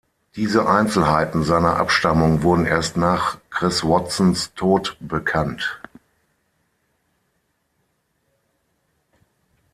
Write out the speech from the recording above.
Diese Einzelheiten seiner Abstammung wurden erst nach Chris Watsons Tod bekannt.